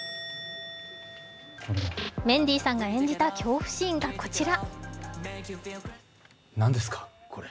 メンディーさんが演じた恐怖シーンがこちら。